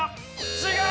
違う！